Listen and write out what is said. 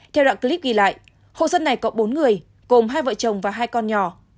theo đoạn clip ghi lại hộ dân này có bốn người gồm hai vợ chồng và hai con nhỏ